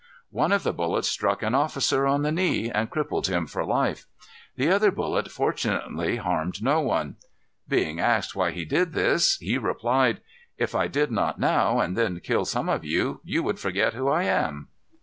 One of the bullets struck an officer on the knee, and crippled him for life. The other bullet fortunately harmed no one. Being asked why he did this, he replied: "If I did not now and then kill some of you, you would forget who I am."